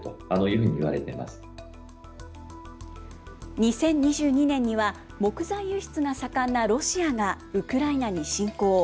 ２０２２年には、木材輸出が盛んなロシアがウクライナに侵攻。